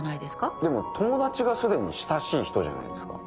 でも「友達」が既に「親しい人」じゃないですか。